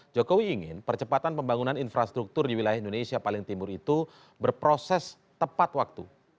jokowi ingin percepatan pembangunan infrastruktur di wilayah indonesia paling timur itu berproses tepat waktu